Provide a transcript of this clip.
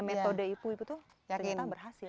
metode ipu itu ternyata berhasil